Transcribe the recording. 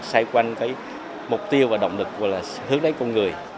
xây quanh cái mục tiêu và động lực của hướng đáy con người